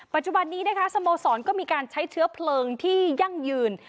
ปัจจุบันนี้นะคะสโมสรก็มีการใช้เชื้อเพลิงที่ยั่งยืน